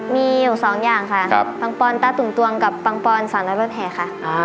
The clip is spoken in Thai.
มีอยู่สองอย่างค่ะปังปอนตะตุ่มตวงกับปังปอนสารรถแห่ค่ะ